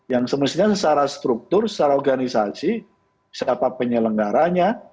yang semestinya secara struktur secara organisasi siapa penyelenggaranya